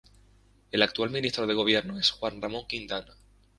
El actual ministro de Gobierno es Juan Ramón Quintana.